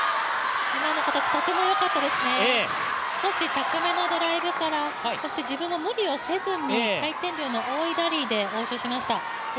今の形とてもよかったですね、少し高めのドライブからそして自分が無理をせずに、回転量の多いラリーで応酬しました。